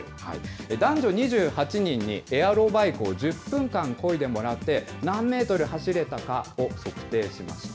男女２８人にエアロバイクを１０分間こいでもらって、何メートル走れたかを測定しました。